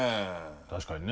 確かにね。